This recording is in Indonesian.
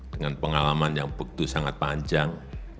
dengan pengalaman yang begitu sangat panjang